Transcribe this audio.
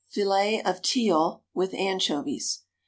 _Fillets of Teal with Anchovies.